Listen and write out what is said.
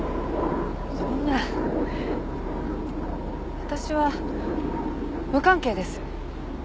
そんな私は無関係です。